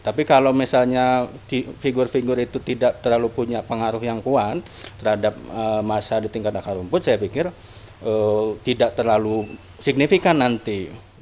tapi kalau misalnya figur figur itu tidak terlalu punya pengaruh yang kuat terhadap masa di tingkat akar rumput saya pikir tidak terlalu signifikan nanti